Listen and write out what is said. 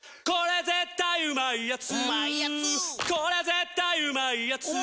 これ絶対うまいやつ」